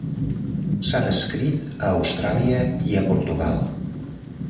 S'ha descrit a Austràlia i a Portugal.